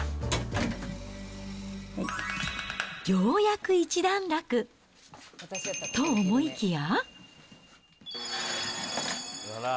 ようやく一段落、と思いきや。